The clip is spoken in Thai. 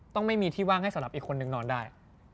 ไม่มีที่ว่างให้สำหรับอีกคนนึงนอนได้